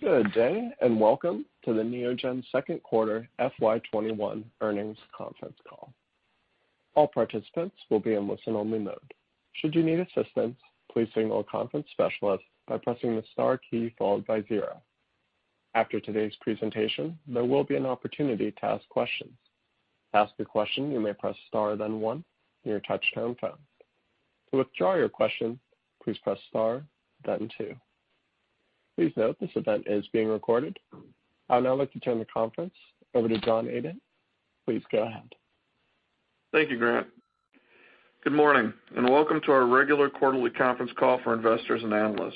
Good day. Welcome to the Neogen second quarter FY 2021 earnings conference call. All participants will be in listen only mode. Should you need assistance, please signal a conference specialist by pressing the star key, followed by zero. After today's presentation, there will be an opportunity to ask questions. To ask a question, you may press star, then one on your touch-tone phone. To withdraw your question, please press star, then two. Please note this event is being recorded. I would now like to turn the conference over to John Adent. Please go ahead. Thank you, Grant. Good morning, and welcome to our regular quarterly conference call for investors and analysts.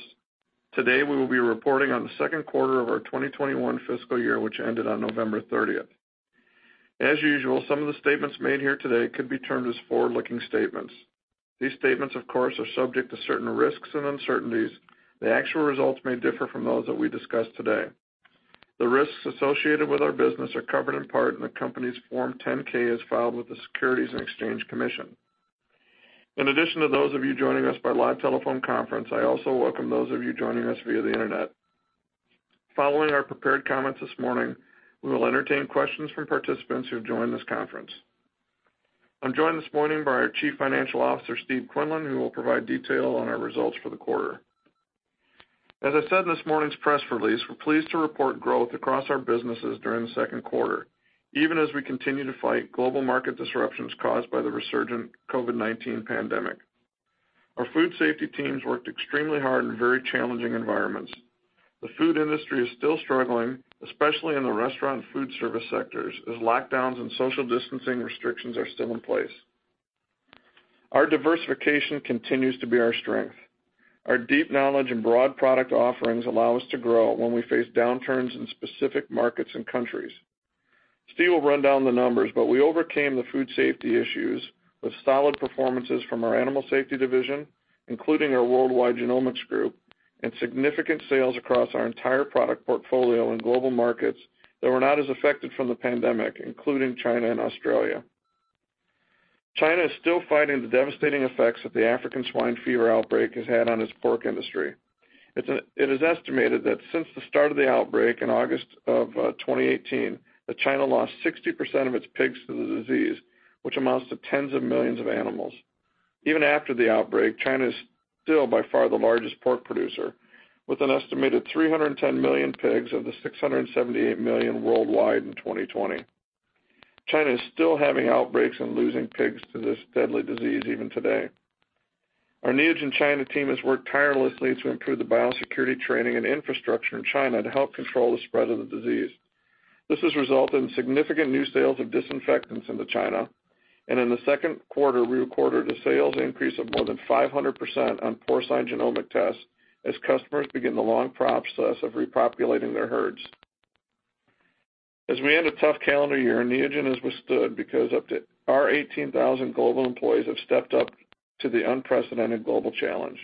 Today, we will be reporting on the second quarter of our 2021 fiscal year, which ended on November 30th. As usual, some of the statements made here today could be termed as forward-looking statements. These statements, of course, are subject to certain risks and uncertainties, and the actual results may differ from those that we discuss today. The risks associated with our business are covered in part in the company's Form 10-K, as filed with the Securities and Exchange Commission. In addition to those of you joining us by live telephone conference, I also welcome those of you joining us via the internet. Following our prepared comments this morning, we will entertain questions from participants who have joined this conference. I'm joined this morning by our Chief Financial Officer, Steve Quinlan, who will provide detail on our results for the quarter. As I said in this morning's press release, we're pleased to report growth across our businesses during the second quarter, even as we continue to fight global market disruptions caused by the resurgent COVID-19 pandemic. Our Food Safety teams worked extremely hard in very challenging environments. The food industry is still struggling, especially in the restaurant and food service sectors, as lockdowns and social distancing restrictions are still in place. Our diversification continues to be our strength. Our deep knowledge and broad product offerings allow us to grow when we face downturns in specific markets and countries. Steve will run down the numbers, but we overcame the food safety issues with solid performances from our Animal Safety division, including our worldwide genomics group, and significant sales across our entire product portfolio in global markets that were not as affected from the pandemic, including China and Australia. China is still fighting the devastating effects that the African swine fever outbreak has had on its pork industry. It is estimated that since the start of the outbreak in August of 2018, that China lost 60% of its pigs to the disease, which amounts to tens of millions of animals. Even after the outbreak, China's still by far the largest pork producer, with an estimated 310 million pigs of the 678 million worldwide in 2020. China is still having outbreaks and losing pigs to this deadly disease even today. Our Neogen China team has worked tirelessly to improve the biosecurity training and infrastructure in China to help control the spread of the disease. This has resulted in significant new sales of disinfectants into China, and in the second quarter, we recorded a sales increase of more than 500% on porcine genomic tests as customers begin the long process of repopulating their herds. As we end a tough calendar year, Neogen has withstood because our 18,000 global employees have stepped up to the unprecedented global challenge.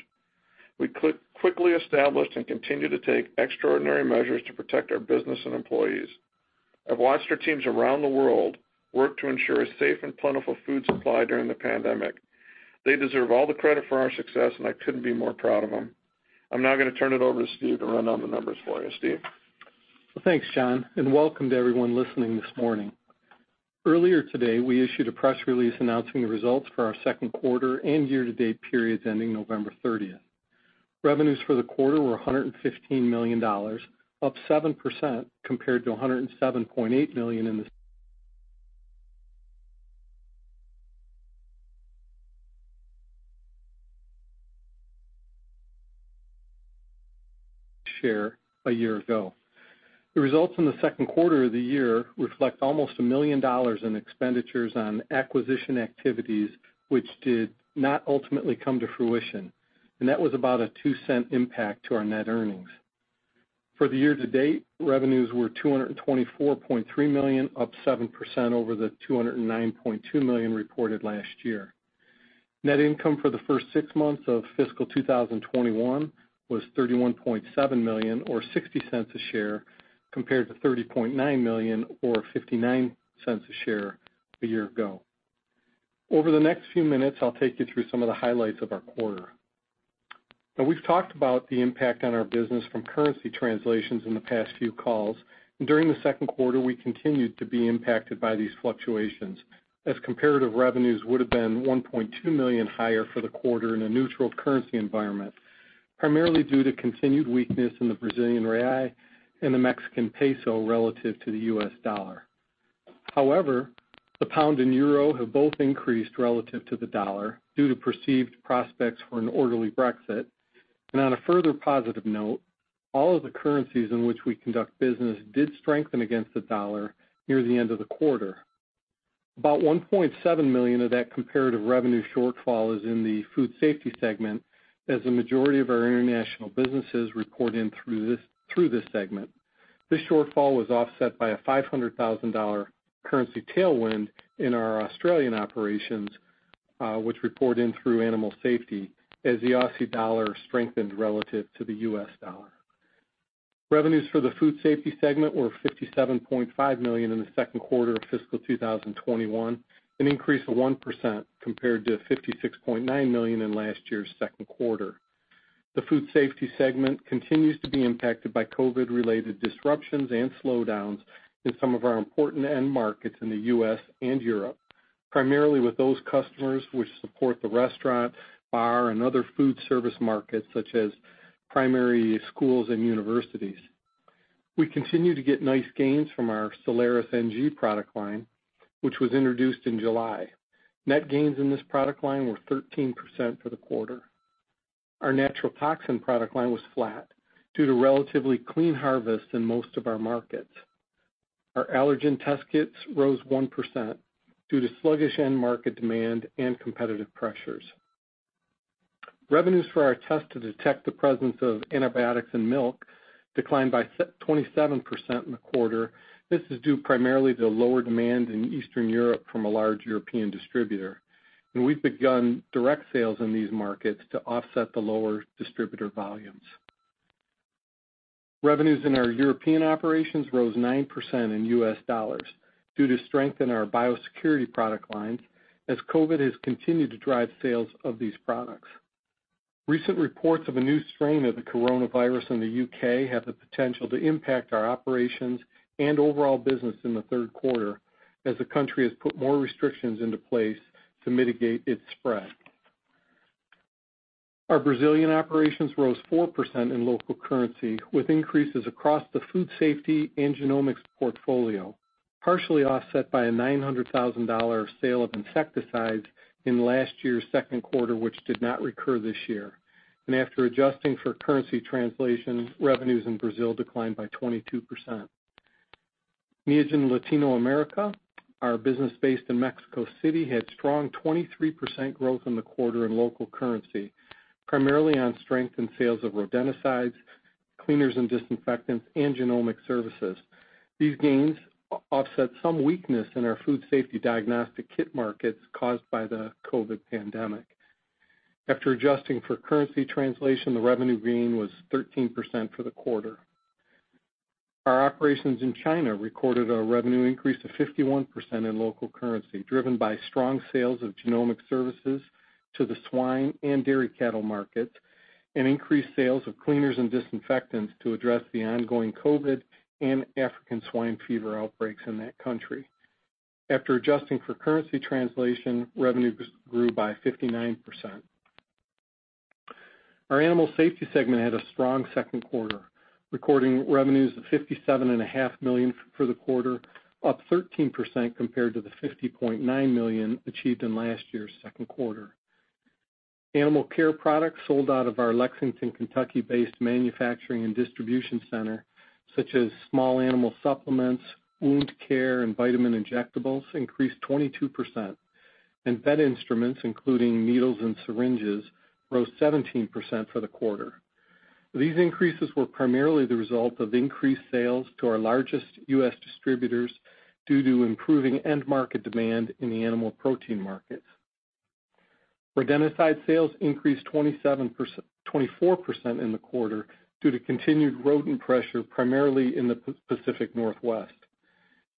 We quickly established and continue to take extraordinary measures to protect our business and employees. I've watched our teams around the world work to ensure a safe and plentiful food supply during the pandemic. They deserve all the credit for our success, and I couldn't be more proud of them. I'm now going to turn it over to Steve to run down the numbers for you. Steve. Thanks, John, and welcome to everyone listening this morning. Earlier today, we issued a press release announcing the results for our second quarter and year-to-date periods ending November 30th. Revenues for the quarter were $115 million, up 7% compared to $107.8 million a year ago. The results in the second quarter of the year reflect almost a million dollars in expenditures on acquisition activities, which did not ultimately come to fruition, and that was about a $0.02 impact to our net earnings. For the year-to-date, revenues were $224.3 million, up 7% over the $209.2 million reported last year. Net income for the first six months of fiscal 2021 was $31.7 million, or $0.60 a share, compared to $30.9 million, or $0.59 a share a year ago. Over the next few minutes, I'll take you through some of the highlights of our quarter. Now, we've talked about the impact on our business from currency translations in the past few calls, and during the second quarter, we continued to be impacted by these fluctuations as comparative revenues would've been $1.2 million higher for the quarter in a neutral currency environment, primarily due to continued weakness in the Brazilian real and the Mexican peso relative to the US dollar. However, the pound and euro have both increased relative to the dollar due to perceived prospects for an orderly Brexit. On a further positive note, all of the currencies in which we conduct business did strengthen against the dollar near the end of the quarter. About $1.7 million of that comparative revenue shortfall is in the Food Safety segment, as the majority of our international businesses report in through this segment. This shortfall was offset by a $500,000 currency tailwind in our Australian operations, which report in through Animal Safety, as the Aussie dollar strengthened relative to the US dollar. Revenues for the Food Safety segment were $57.5 million in the second quarter of fiscal 2021, an increase of 1% compared to $56.9 million in last year's second quarter. The Food Safety segment continues to be impacted by COVID-related disruptions and slowdowns in some of our important end markets in the U.S. and Europe, primarily with those customers which support the restaurant, bar, and other food service markets, such as primary schools and universities. We continue to get nice gains from our Soleris NG product line, which was introduced in July. Net gains in this product line were 13% for the quarter. Our natural toxin product line was flat due to relatively clean harvests in most of our markets. Our allergen test kits rose 1% due to sluggish end market demand and competitive pressures. Revenues for our test to detect the presence of antibiotics in milk declined by 27% in the quarter. This is due primarily to lower demand in Eastern Europe from a large European distributor, and we've begun direct sales in these markets to offset the lower distributor volumes. Revenues in our European operations rose 9% in US dollars due to strength in our biosecurity product lines, as COVID-19 has continued to drive sales of these products. Recent reports of a new strain of the coronavirus in the U.K. have the potential to impact our operations and overall business in the third quarter, as the country has put more restrictions into place to mitigate its spread. Our Brazilian operations rose 4% in local currency, with increases across the Food Safety and genomics portfolio, partially offset by a $900,000 sale of insecticides in last year's second quarter, which did not recur this year. After adjusting for currency translation, revenues in Brazil declined by 22%. Neogen Latino America, our business based in Mexico City, had strong 23% growth in the quarter in local currency, primarily on strength in sales of rodenticides, cleaners and disinfectants, and genomic services. These gains offset some weakness in our Food Safety diagnostic kit markets caused by the COVID pandemic. After adjusting for currency translation, the revenue gain was 13% for the quarter. Our operations in China recorded a revenue increase of 51% in local currency, driven by strong sales of genomic services to the swine and dairy cattle markets and increased sales of cleaners and disinfectants to address the ongoing COVID and African swine fever outbreaks in that country. After adjusting for currency translation, revenues grew by 59%. Our Animal Safety segment had a strong second quarter, recording revenues of $57.5 million for the quarter, up 13% compared to the $50.9 million achieved in last year's second quarter. Animal care products sold out of our Lexington, Kentucky-based manufacturing and distribution center, such as small animal supplements, wound care, and vitamin injectables increased 22%, and vet instruments, including needles and syringes, rose 17% for the quarter. These increases were primarily the result of increased sales to our largest U.S. distributors due to improving end-market demand in the animal protein markets. Rodenticide sales increased 24% in the quarter due to continued rodent pressure, primarily in the Pacific Northwest.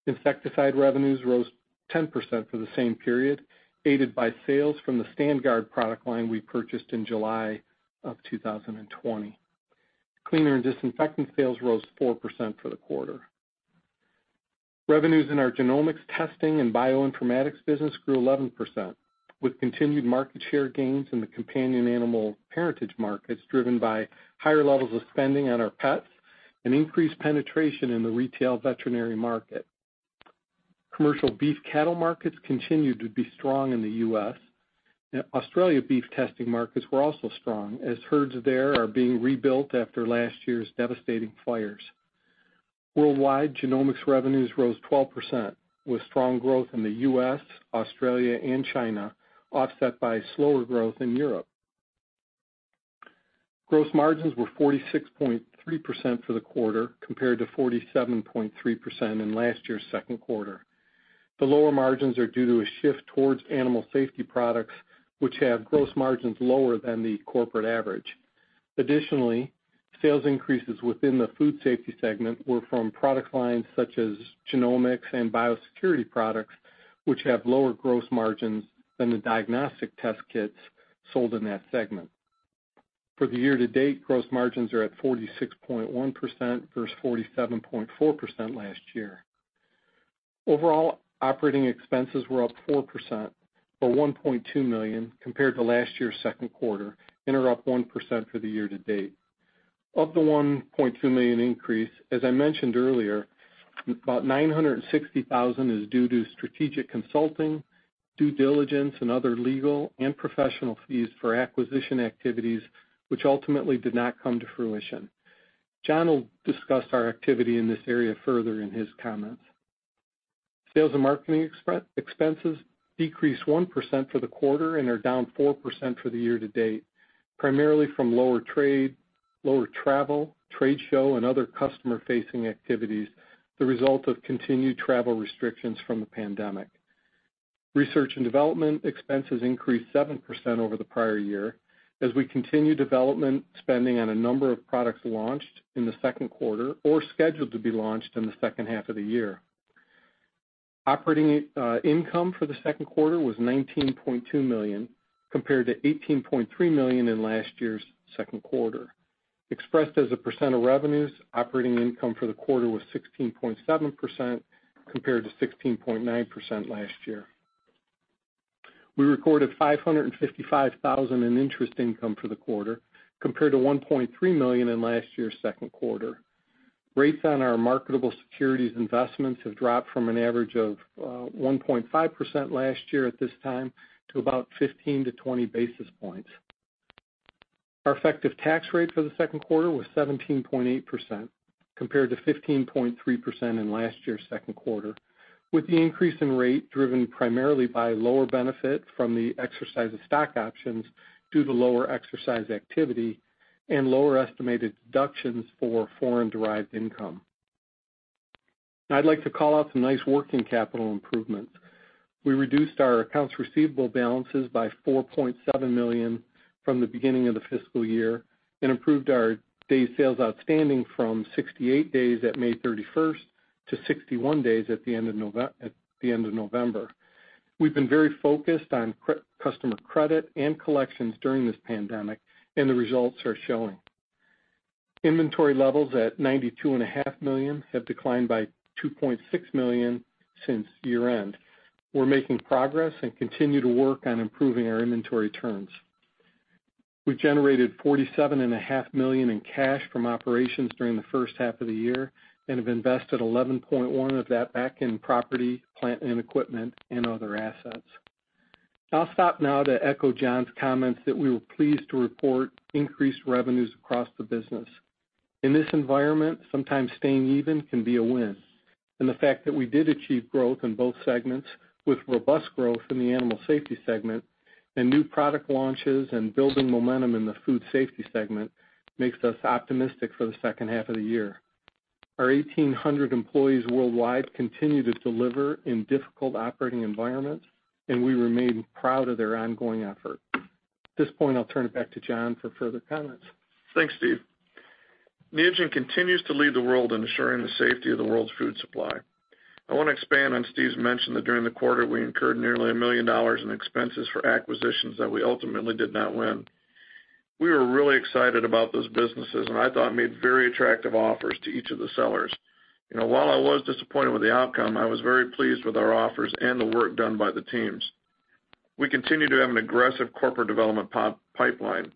Insecticide revenues rose 10% for the same period, aided by sales from the StandGuard product line we purchased in July of 2020. Cleaner and disinfectant sales rose 4% for the quarter. Revenues in our genomics testing and bioinformatics business grew 11%, with continued market share gains in the companion animal parentage markets, driven by higher levels of spending on our pets and increased penetration in the retail veterinary market. Commercial beef cattle markets continued to be strong in the U.S. Australia beef testing markets were also strong, as herds there are being rebuilt after last year's devastating fires. Worldwide, genomics revenues rose 12%, with strong growth in the U.S., Australia, and China, offset by slower growth in Europe. Gross margins were 46.3% for the quarter, compared to 47.3% in last year's second quarter. The lower margins are due to a shift towards Animal Safety products, which have gross margins lower than the corporate average. Additionally, sales increases within the Food Safety segment were from product lines such as genomics and biosecurity products, which have lower gross margins than the diagnostic test kits sold in that segment. For the year to date, gross margins are at 46.1% versus 47.4% last year. Overall, operating expenses were up 4%, or $1.2 million, compared to last year's second quarter, and are up 1% for the year to date. Of the $1.2 million increase, as I mentioned earlier, about $960,000 is due to strategic consulting, due diligence, and other legal and professional fees for acquisition activities which ultimately did not come to fruition. John will discuss our activity in this area further in his comments. Sales and marketing expenses decreased 1% for the quarter and are down 4% for the year to date, primarily from lower trade, lower travel, trade show, and other customer-facing activities, the result of continued travel restrictions from the pandemic. Research and development expenses increased 7% over the prior year as we continue development spending on a number of products launched in the second quarter or scheduled to be launched in the second half of the year. Operating income for the second quarter was $19.2 million, compared to $18.3 million in last year's second quarter. Expressed as a percent of revenues, operating income for the quarter was 16.7% compared to 16.9% last year. We recorded $555,000 in interest income for the quarter compared to $1.3 million in last year's second quarter. Rates on our marketable securities investments have dropped from an average of 1.5% last year at this time to about 15-20 basis points. Our effective tax rate for the second quarter was 17.8%, compared to 15.3% in last year's second quarter, with the increase in rate driven primarily by lower benefit from the exercise of stock options due to lower exercise activity and lower estimated deductions for foreign-derived income. Now I'd like to call out some nice working capital improvements. We reduced our accounts receivable balances by $4.7 million from the beginning of the fiscal year and improved our day sales outstanding from 68 days at May 31st to 61 days at the end of November. We've been very focused on customer credit and collections during this pandemic, and the results are showing. Inventory levels at $92.5 million have declined by $2.6 million since year-end. We're making progress and continue to work on improving our inventory turns. We've generated $47.5 million in cash from operations during the first half of the year and have invested $11.1 of that back in property, plant, and equipment, and other assets. I'll stop now to echo John's comments that we were pleased to report increased revenues across the business. In this environment, sometimes staying even can be a win, and the fact that we did achieve growth in both segments with robust growth in the Animal Safety segment and new product launches and building momentum in the Food Safety segment makes us optimistic for the second half of the year. Our 1,800 employees worldwide continue to deliver in difficult operating environments, and we remain proud of their ongoing effort. At this point, I'll turn it back to John for further comments. Thanks, Steve. Neogen continues to lead the world in ensuring the safety of the world's food supply. I want to expand on Steve's mention that during the quarter, we incurred nearly $1 million in expenses for acquisitions that we ultimately did not win. We were really excited about those businesses and I thought made very attractive offers to each of the sellers. While I was disappointed with the outcome, I was very pleased with our offers and the work done by the teams. We continue to have an aggressive corporate development pipeline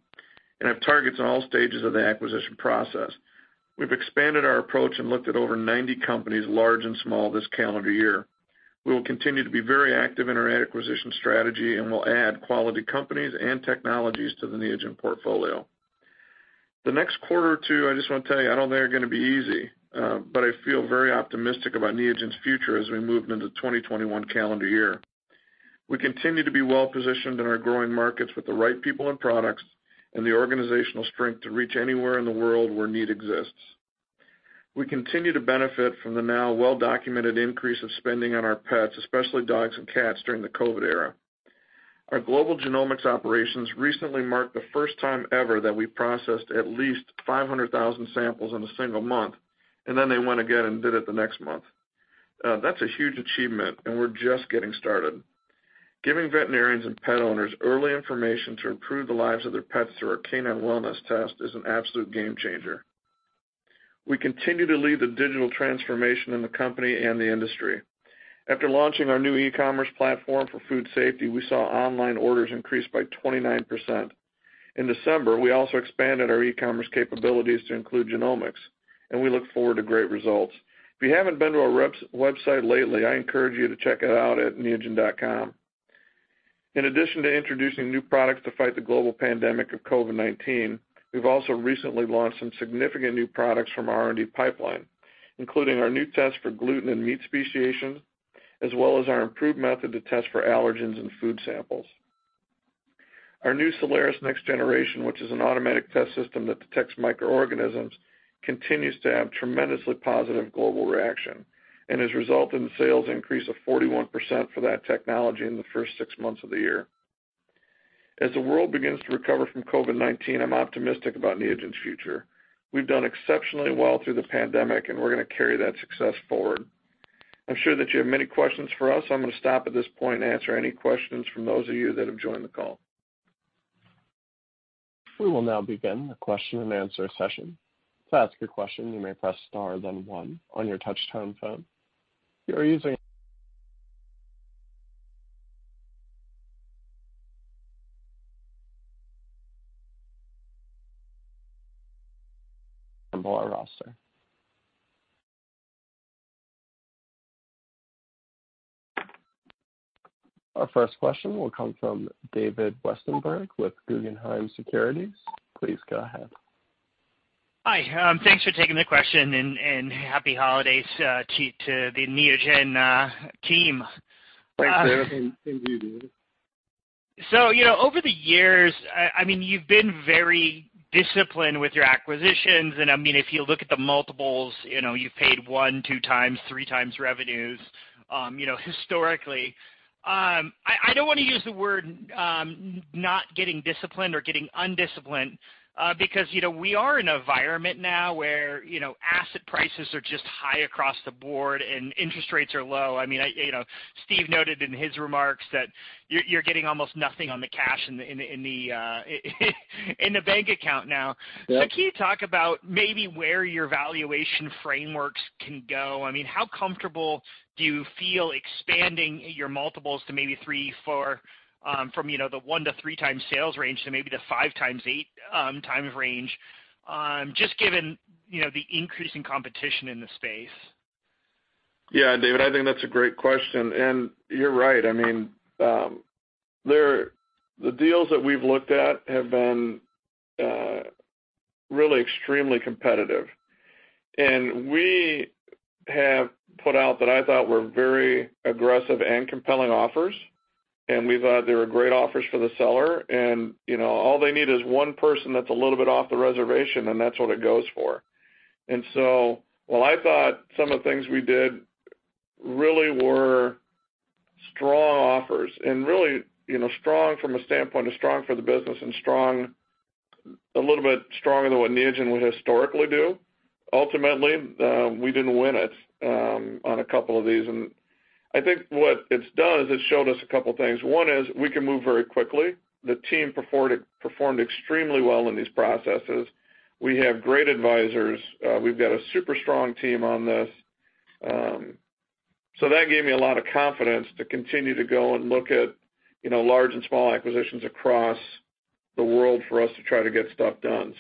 and have targets in all stages of the acquisition process. We've expanded our approach and looked at over 90 companies, large and small, this calendar year. We will continue to be very active in our acquisition strategy, and we'll add quality companies and technologies to the Neogen portfolio. The next quarter or two, I just want to tell you, I don't think are going to be easy. I feel very optimistic about Neogen's future as we move into 2021 calendar year. We continue to be well-positioned in our growing markets with the right people and products and the organizational strength to reach anywhere in the world where need exists. We continue to benefit from the now well-documented increase of spending on our pets, especially dogs and cats, during the COVID era. Our global genomics operations recently marked the first time ever that we processed at least 500,000 samples in a single month, and then they went again and did it the next month. That's a huge achievement, and we're just getting started. Giving veterinarians and pet owners early information to improve the lives of their pets through our Igenity Canine Wellness is an absolute game changer. We continue to lead the digital transformation in the company and the industry. After launching our new e-commerce platform for Food Safety, we saw online orders increase by 29%. In December, we also expanded our e-commerce capabilities to include genomics, and we look forward to great results. If you haven't been to our website lately, I encourage you to check it out at neogen.com. In addition to introducing new products to fight the global pandemic of COVID-19, we've also recently launched some significant new products from our R&D pipeline, including our new test for gluten and meat speciation, as well as our improved method to test for allergens in food samples. Our new Soleris Next Generation, which is an automatic test system that detects microorganisms, continues to have tremendously positive global reaction and has resulted in sales increase of 41% for that technology in the first six months of the year. As the world begins to recover from COVID-19, I'm optimistic about Neogen's future. We've done exceptionally well through the pandemic, and we're going to carry that success forward. I'm sure that you have many questions for us. I'm going to stop at this point and answer any questions from those of you that have joined the call. We will now begin the question and answer session. Our first question will come from David Westenberg with Guggenheim Securities. Please go ahead. Hi. Thanks for taking the question, and happy holidays to the Neogen team. Thanks, David. Same to you, David. Over the years, you've been very disciplined with your acquisitions, and if you look at the multiples, you've paid 1x, 2x, 3x revenues historically. I don't want to use the word not getting disciplined or getting undisciplined, because we are in an environment now where asset prices are just high across the board and interest rates are low. Steve noted in his remarks that you're getting almost nothing on the cash in the bank account now. Yep. Can you talk about maybe where your valuation frameworks can go? How comfortable do you feel expanding your multiples to maybe three, four, from the one to three times sales range to maybe the five times, eight times range, just given the increasing competition in the space? Yeah, David, I think that's a great question. You're right. The deals that we've looked at have been really extremely competitive, and we have put out what I thought were very aggressive and compelling offers, and we thought they were great offers for the seller. All they need is one person that's a little bit off the reservation, and that's what it goes for. While I thought some of the things we did really were strong offers and really strong from a standpoint of strong for the business and a little bit stronger than what Neogen would historically do, ultimately, we didn't win it on a couple of these. I think what it's done is it's showed us a couple of things. One is we can move very quickly. The team performed extremely well in these processes. We have great advisors. We've got a super strong team on this. That gave me a lot of confidence to continue to go and look at large and small acquisitions across the world for us to try to get stuff done.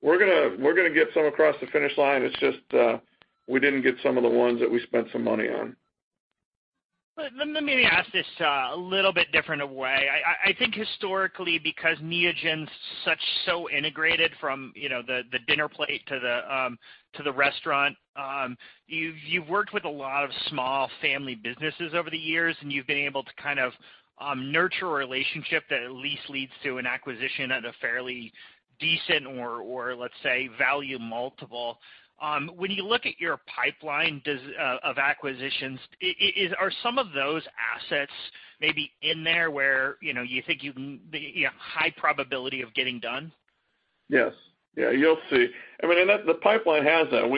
We're going to get some across the finish line. It's just, we didn't get some of the ones that we spent some money on. Let me ask this a little bit different way. I think historically, because Neogen's so integrated from the dinner plate to the restaurant, you've worked with a lot of small family businesses over the years, and you've been able to nurture a relationship that at least leads to an acquisition at a fairly decent or let's say, value multiple. When you look at your pipeline of acquisitions, are some of those assets maybe in there where you think high probability of getting done? Yes. You'll see. The pipeline has that.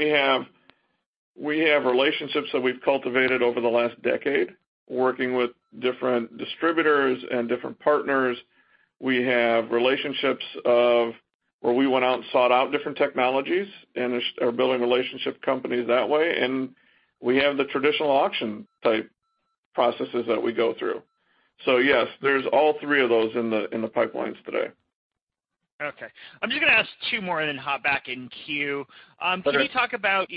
We have relationships that we've cultivated over the last decade, working with different distributors and different partners. We have relationships of where we went out and sought out different technologies and are building relationship companies that way, and we have the traditional auction type processes that we go through. Yes, there's all three of those in the pipelines today. Okay. I'm just going to ask two more and then hop back in queue. Okay. You talked about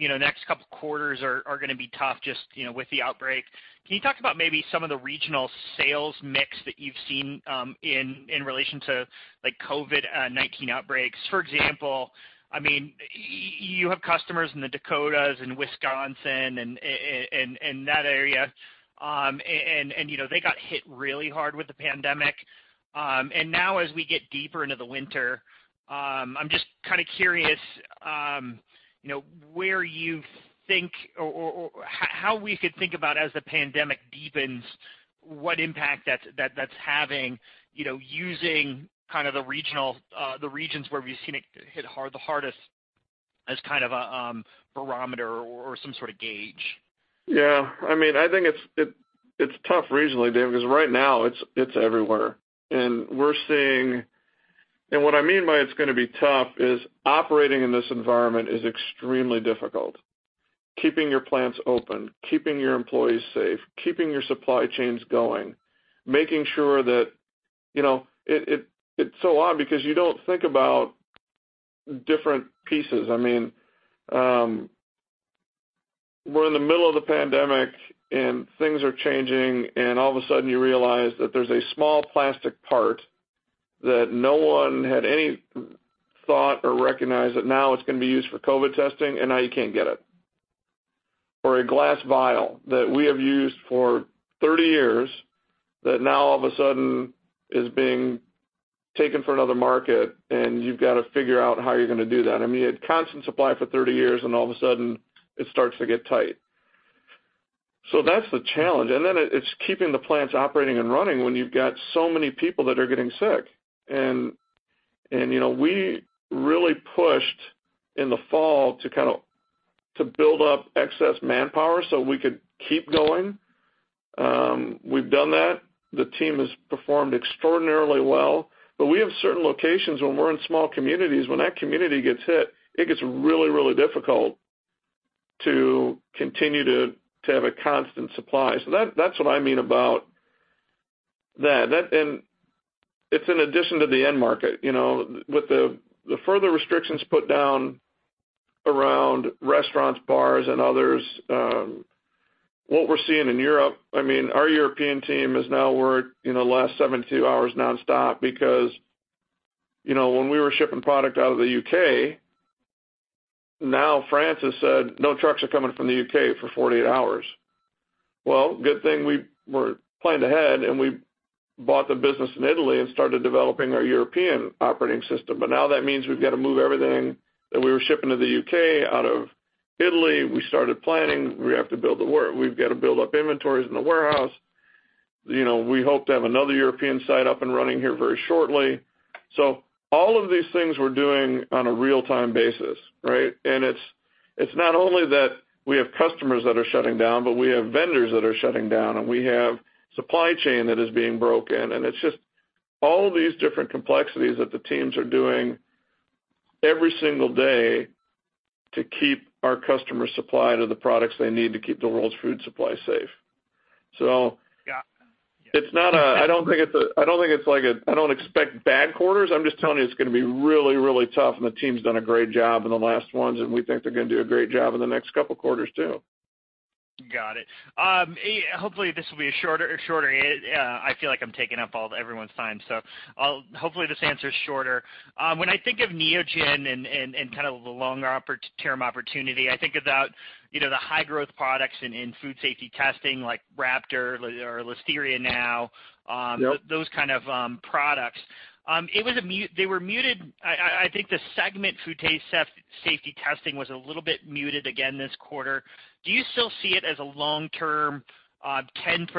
next couple quarters are going to be tough just with the outbreak. Can you talk about maybe some of the regional sales mix that you've seen in relation to COVID-19 outbreaks? For example, you have customers in the Dakotas and Wisconsin and that area, and they got hit really hard with the pandemic. Now as we get deeper into the winter, I'm just curious, where you think or how we could think about as the pandemic deepens, what impact that's having, using the regions where we've seen it hit the hardest as a barometer or some sort of gauge. Yeah. I think it's tough regionally, David, because right now it's everywhere. What I mean by it's going to be tough is operating in this environment is extremely difficult. Keeping your plants open, keeping your employees safe, keeping your supply chains going. It's so odd because you don't think about different pieces. We're in the middle of the pandemic and things are changing, and all of a sudden you realize that there's a small plastic part that no one had any thought or recognized that now it's going to be used for COVID testing, and now you can't get it. A glass vial that we have used for 30 years that now all of a sudden is being taken for another market, and you've got to figure out how you're going to do that. You had constant supply for 30 years, and all of a sudden, it starts to get tight. That's the challenge. Then it's keeping the plants operating and running when you've got so many people that are getting sick. We really pushed in the fall to build up excess manpower so we could keep going. We've done that. The team has performed extraordinarily well. We have certain locations when we're in small communities, when that community gets hit, it gets really, really difficult to continue to have a constant supply. That's what I mean about that. It's in addition to the end market. With the further restrictions put down around restaurants, bars, and others, what we're seeing in Europe, our European team has now worked the last 72 hours nonstop because when we were shipping product out of the U.K. Now France has said no trucks are coming from the U.K. for 48 hours. Good thing we planned ahead and we bought the business in Italy and started developing our European operating system. Now that means we've got to move everything that we were shipping to the U.K. out of Italy. We started planning. We've got to build up inventories in the warehouse. We hope to have another European site up and running here very shortly. All of these things we're doing on a real-time basis, right? It's not only that we have customers that are shutting down, but we have vendors that are shutting down, and we have supply chain that is being broken, and it's just all of these different complexities that the teams are doing every single day to keep our customers supplied of the products they need to keep the world's food supply safe. Got it. I don't expect bad quarters. I'm just telling you it's going to be really, really tough. The team's done a great job in the last ones. We think they're going to do a great job in the next couple of quarters, too. Got it. Hopefully, this will be shorter. I feel like I'm taking up everyone's time, so hopefully this answer's shorter. When I think of Neogen and the longer-term opportunity, I think about the high-growth products in Food Safety testing, like Raptor or Listeria Right Now. Yep those kind of products. I think the segment Food Safety was a little bit muted again this quarter. Do you still see it as a long-term, +10%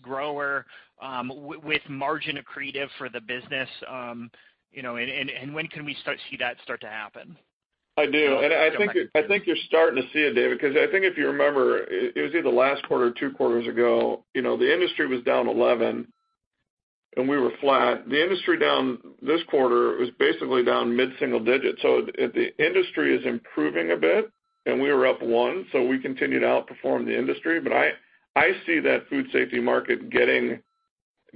grower with margin accretive for the business? When can we see that start to happen? I do, I think you're starting to see it, David. I think if you remember, it was either last quarter or two quarters ago, the industry was down 11% and we were flat. The industry this quarter was basically down mid-single digits. The industry is improving a bit and we were up 1%, we continue to outperform the industry. I see that Food Safety market getting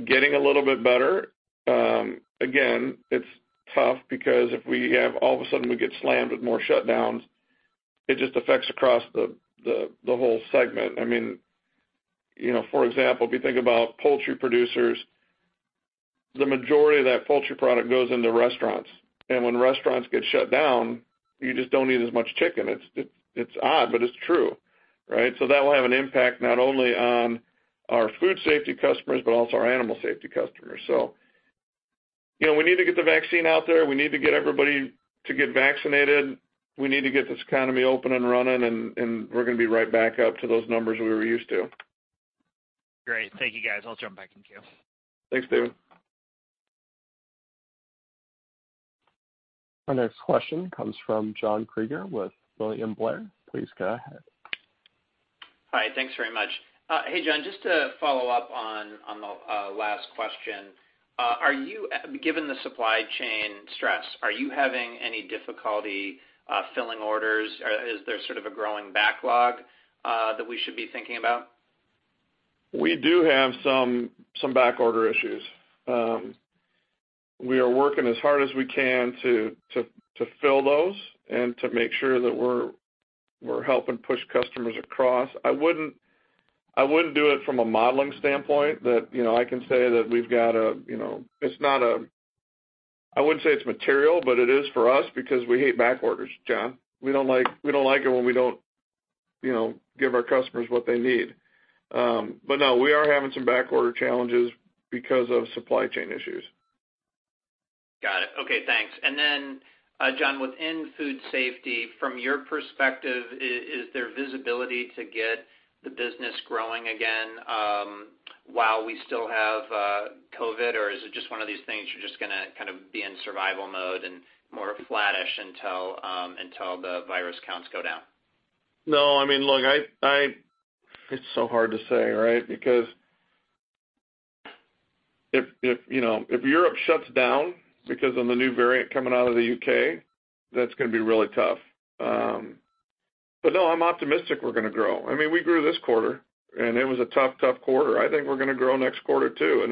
a little bit better. Again, it's tough because if all of a sudden we get slammed with more shutdowns, it just affects across the whole segment. For example, if you think about poultry producers, the majority of that poultry product goes into restaurants. When restaurants get shut down, you just don't eat as much chicken. It's odd, it's true, right? That will have an impact not only on our Food Safety customers, but also our Animal Safety customers. We need to get the vaccine out there. We need to get everybody to get vaccinated. We need to get this economy open and running, and we're going to be right back up to those numbers we were used to. Great. Thank you, guys. I'll jump back in queue. Thanks, David. Our next question comes from John Kreger with William Blair. Please go ahead. Hi. Thanks very much. Hey, John, just to follow up on the last question. Given the supply chain stress, are you having any difficulty filling orders? Is there sort of a growing backlog that we should be thinking about? We do have some backorder issues. We are working as hard as we can to fill those and to make sure that we're helping push customers across. I wouldn't do it from a modeling standpoint. I wouldn't say it's material. It is for us because we hate back orders, John. We don't like it when we don't give our customers what they need. No, we are having some backorder challenges because of supply chain issues. Got it. Okay, thanks. John, within Food Safety, from your perspective, is there visibility to get the business growing again while we still have COVID, or is it just one of these things you're just going to kind of be in survival mode and more flattish until the virus counts go down? No, look, it's so hard to say, right? If Europe shuts down because of the new variant coming out of the U.K., that's going to be really tough. No, I'm optimistic we're going to grow. We grew this quarter. It was a tough quarter. I think we're going to grow next quarter, too.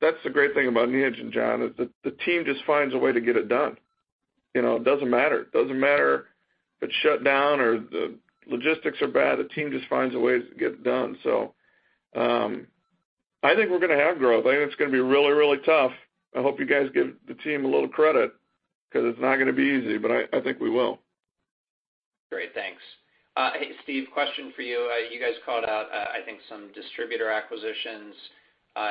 That's the great thing about Neogen, John, is the team just finds a way to get it done. It doesn't matter. It doesn't matter if it's shut down or the logistics are bad. The team just finds a way to get it done. I think we're going to have growth. I think it's going to be really tough. I hope you guys give the team a little credit, because it's not going to be easy, but I think we will. Great. Thanks. Hey, Steve, question for you. You guys called out, I think, some distributor acquisitions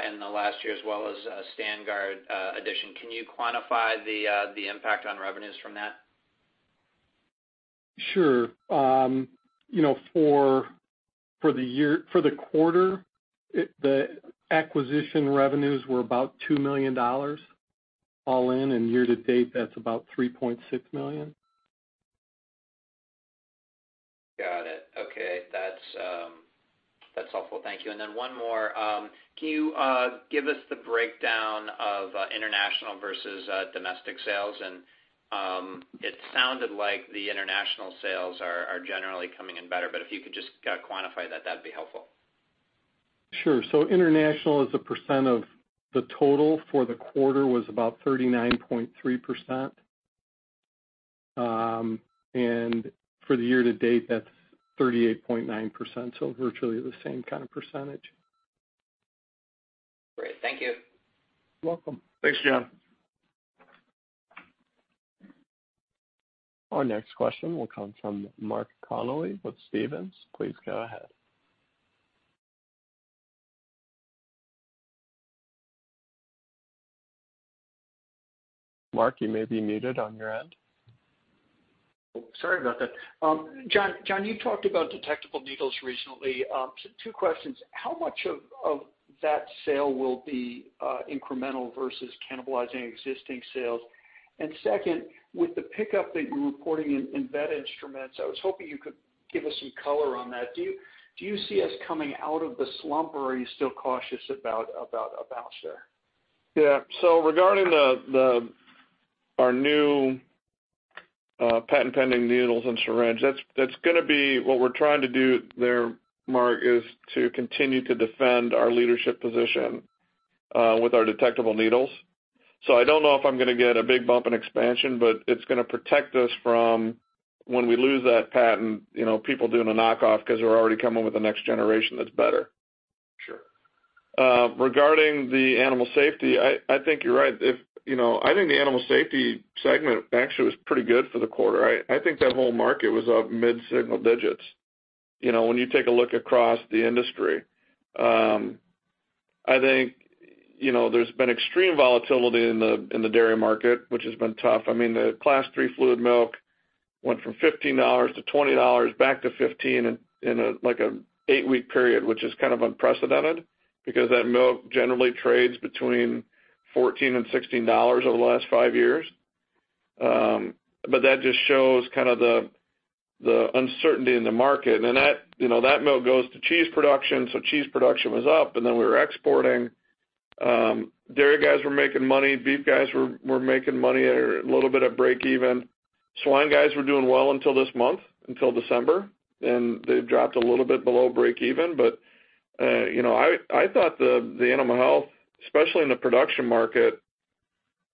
in the last year, as well as a StandGuard addition. Can you quantify the impact on revenues from that? Sure. For the quarter, the acquisition revenues were about $2 million all in, year to date, that's about $3.6 million. Got it. Okay. That's helpful. Thank you. Then one more. Can you give us the breakdown of international versus domestic sales? It sounded like the international sales are generally coming in better, but if you could just quantify that'd be helpful. Sure. International as a percent of the total for the quarter was about 39.3%. For the year to date, that's 38.9%, virtually the same kind of %. Thank you. Welcome. Thanks, John. Our next question will come from Mark Connelly with Stephens. Please go ahead. Mark, you may be muted on your end. Sorry about that. John, you talked about detectable needles recently. Two questions. How much of that sale will be incremental versus cannibalizing existing sales? Second, with the pickup that you're reporting in vet instruments, I was hoping you could give us some color on that. Do you see us coming out of the slump, or are you still cautious about a bounce there? Regarding our new patent-pending needles and syringe, what we're trying to do there, Mark, is to continue to defend our leadership position with our detectable needles. I don't know if I'm going to get a big bump in expansion, but it's going to protect us from when we lose that patent, people doing a knockoff because we're already coming with the next generation that's better. Sure. Regarding the Animal Safety, I think you're right. I think the Animal Safety segment actually was pretty good for the quarter. I think that whole market was up mid-single digits. When you take a look across the industry, I think there's been extreme volatility in the dairy market, which has been tough. The Class III fluid milk went from $15-$20, back to $15 in an eight-week period, which is unprecedented because that milk generally trades between $14 and $16 over the last five years. That just shows the uncertainty in the market. That milk goes to cheese production, so cheese production was up, and then we were exporting. Dairy guys were making money. Beef guys were making money at a little bit of breakeven. Swine guys were doing well until this month, until December, then they've dropped a little bit below breakeven. I thought the Animal Safety, especially in the production market,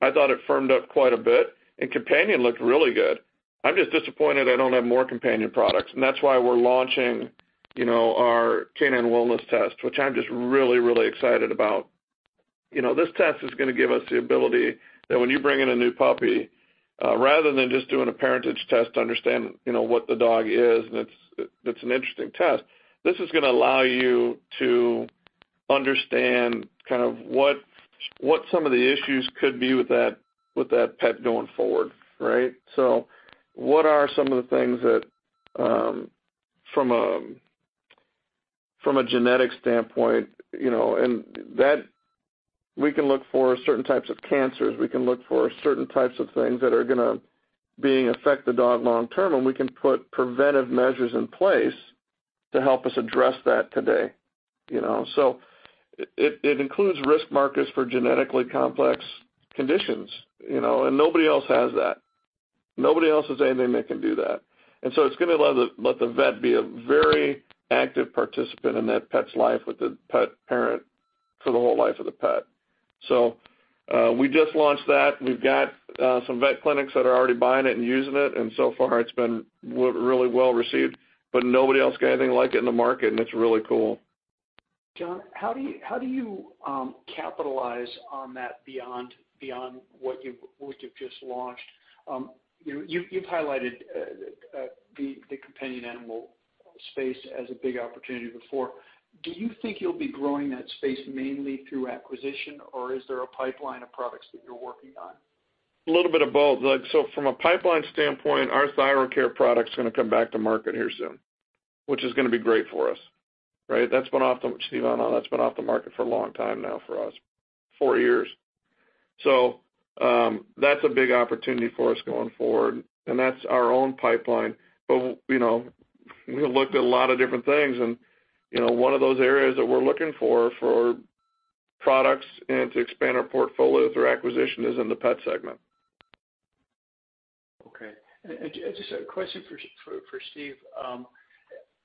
I thought it firmed up quite a bit, and companion looked really good. I'm just disappointed I don't have more companion products, and that's why we're launching our Igenity Canine Wellness test, which I'm just really excited about. This test is going to give us the ability that when you bring in a new puppy, rather than just doing a parentage test to understand what the dog is, and it's an interesting test, this is going to allow you to understand what some of the issues could be with that pet going forward. Right? What are some of the things that from a genetic standpoint, and that we can look for certain types of cancers, we can look for certain types of things that are going to affect the dog long term, and we can put preventive measures in place to help us address that today. It includes risk markers for genetically complex conditions, and nobody else has that. Nobody else has anything that can do that. It's going to let the vet be a very active participant in that pet's life with the pet parent for the whole life of the pet. We just launched that. We've got some vet clinics that are already buying it and using it, and so far it's been really well received, but nobody else got anything like it in the market, and it's really cool. John, how do you capitalize on that beyond what you've just launched? You've highlighted the companion animal space as a big opportunity before. Do you think you'll be growing that space mainly through acquisition, or is there a pipeline of products that you're working on? A little bit of both. From a pipeline standpoint, our ThyroKare product's going to come back to market here soon, which is going to be great for us. Right? Steve and I know that's been off the market for a long time now for us, four years. That's a big opportunity for us going forward, and that's our own pipeline. We looked at a lot of different things, and one of those areas that we're looking for products and to expand our portfolio through acquisition is in the pet segment. Okay. Just a question for Steve.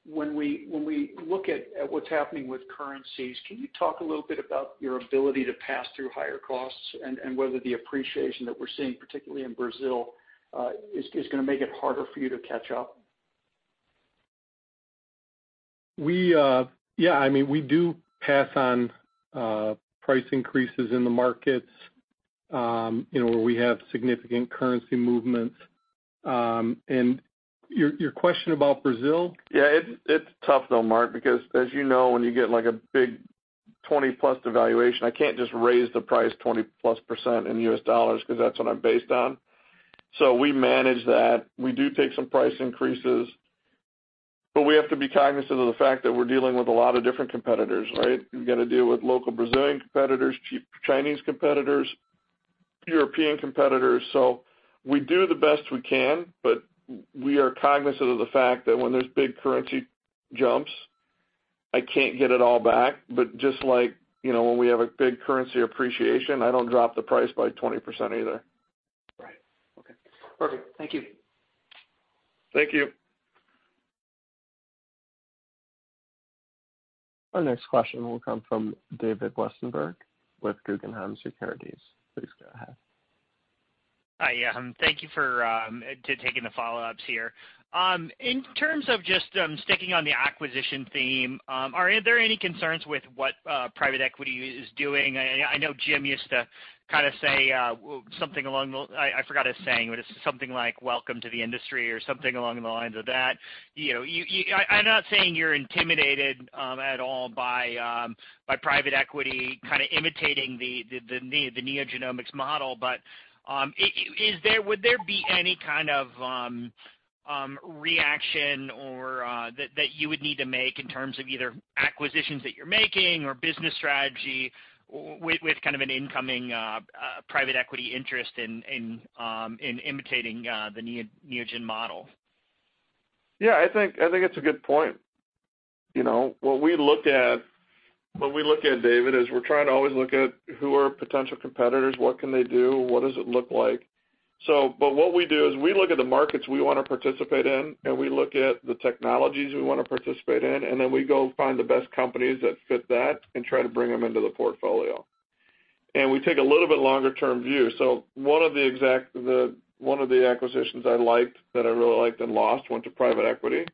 When we look at what's happening with currencies, can you talk a little bit about your ability to pass through higher costs and whether the appreciation that we're seeing, particularly in Brazil, is going to make it harder for you to catch up? Yeah, we do pass on price increases in the markets where we have significant currency movements. Your question about Brazil? It's tough though, Mark, because as you know, when you get a big 20-plus devaluation, I can't just raise the price +20% in USD because that's what I'm based on. We manage that. We do take some price increases, but we have to be cognizant of the fact that we're dealing with a lot of different competitors, right? We've got to deal with local Brazilian competitors, cheap Chinese competitors, European competitors. We do the best we can, but we are cognizant of the fact that when there's big currency jumps, I can't get it all back. Just like when we have a big currency appreciation, I don't drop the price by 20% either. Right. Okay. Perfect. Thank you. Thank you. Our next question will come from David Westenberg with Guggenheim Securities. Please go ahead. Hi. Thank you for taking the follow-ups here. In terms of just sticking on the acquisition theme, are there any concerns with what private equity is doing? I know Jim used to kind of say something along the I forgot his saying, but it's something like, "Welcome to the industry," or something along the lines of that. I'm not saying you're intimidated at all by private equity kind of imitating the NeoGenomics model, but would there be any kind of reaction that you would need to make in terms of either acquisitions that you're making or business strategy with kind of an incoming private equity interest in imitating the Neogen model? Yeah, I think it's a good point. What we look at, David, is we're trying to always look at who are potential competitors, what can they do, what does it look like. What we do is we look at the markets we want to participate in, and we look at the technologies we want to participate in, and then we go find the best companies that fit that and try to bring them into the portfolio. We take a little bit longer-term view. One of the acquisitions I liked, that I really liked and lost, went to private equity.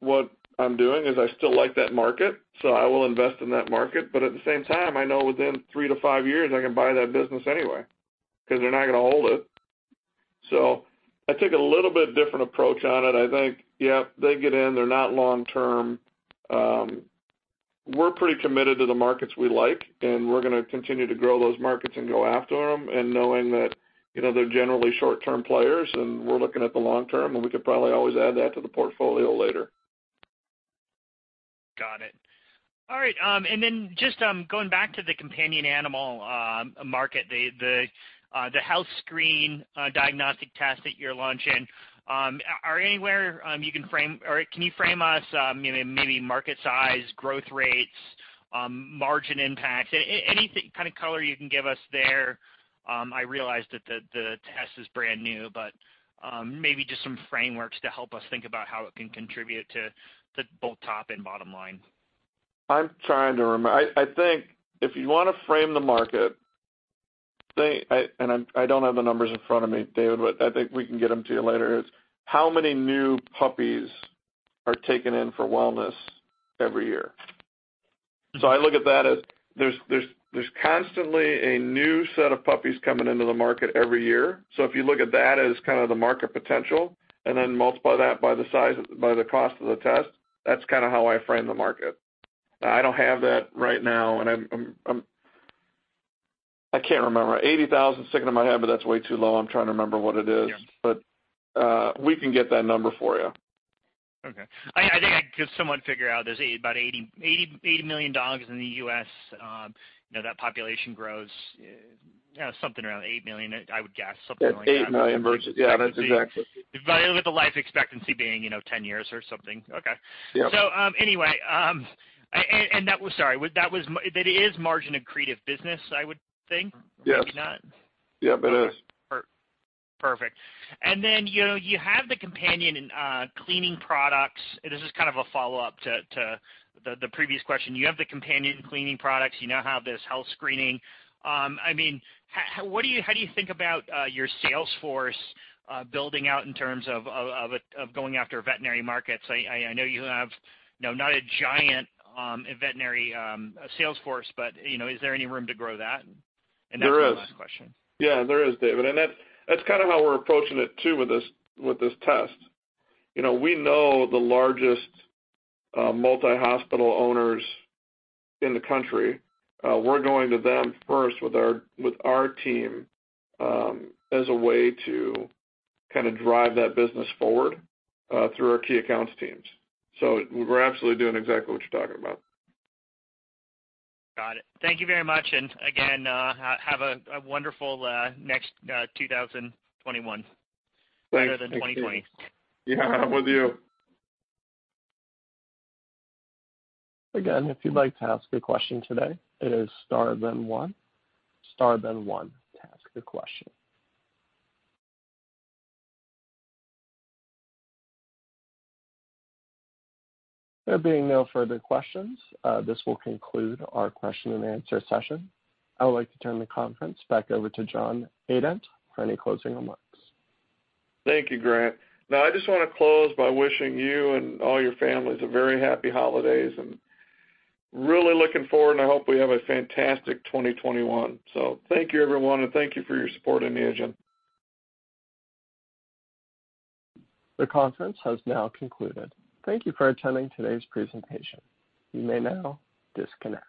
What I'm doing is I still like that market, so I will invest in that market. At the same time, I know within three to five years, I can buy that business anyway, because they're not going to hold it. I take a little bit different approach on it. I think, yep, they get in, they're not long-term. We're pretty committed to the markets we like, and we're going to continue to grow those markets and go after them, and knowing that they're generally short-term players, and we're looking at the long term, and we could probably always add that to the portfolio later. Got it. All right. Then just going back to the companion animal market, the health screen diagnostic test that you're launching, can you frame us maybe market size, growth rates, margin impacts, any kind of color you can give us there? I realize that the test is brand new, but maybe just some frameworks to help us think about how it can contribute to both top and bottom line. I'm trying to remember. I think if you want to frame the market, and I don't have the numbers in front of me, David, but I think we can get them to you later, is how many new puppies are taken in for wellness every year. I look at that as there's constantly a new set of puppies coming into the market every year. If you look at that as kind of the market potential, and then multiply that by the cost of the test, that's kind of how I frame the market. I don't have that right now, and I can't remember. 80,000's sticking in my head, but that's way too low. I'm trying to remember what it is. Yeah. We can get that number for you. Okay. I think I could somewhat figure out there's about 80 million dogs in the U.S. That population grows something around eight million, I would guess, something like that. It's $8 million. Yeah, that's exactly. With the life expectancy being 10 years or something. Okay. Yeah. Anyway. sorry, that is margin accretive business, I would think. Yes. Maybe not. Yep, it is. Perfect. You have the companion cleaning products. This is kind of a follow-up to the previous question. You have the companion cleaning products. You now have this health screening. How do you think about your sales force building out in terms of going after veterinary markets? I know you have not a giant veterinary sales force, but is there any room to grow that? There is. That's my last question. There is, David. That's kind of how we're approaching it too with this test. We know the largest multi-hospital owners in the country. We're going to them first with our team as a way to kind of drive that business forward through our key accounts teams. We're absolutely doing exactly what you're talking about. Got it. Thank you very much. Again, have a wonderful next 2021. Thanks. Better than 2020. Yeah. With you. Again, if you'd like to ask a question today, it is star, then one. Star, then one to ask a question. There being no further questions, this will conclude our question and answer session. I would like to turn the conference back over to John Adent for any closing remarks. Thank you, Grant. Now, I just want to close by wishing you and all your families a very happy holidays, and really looking forward and I hope we have a fantastic 2021. Thank you, everyone, and thank you for your support in Neogen. The conference has now concluded. Thank you for attending today's presentation. You may now disconnect.